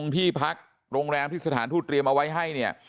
ที่พักโรงแรมที่สถานทูตเตรียมเอาไว้ให้เนี่ย